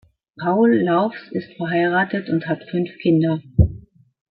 Paul Laufs ist verheiratet und hat fünf Kinder.